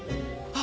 あ。